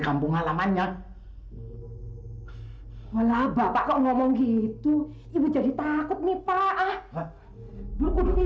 kampung alamannya walaubapak ngomong gitu ibu jadi takut nih pak berbunyi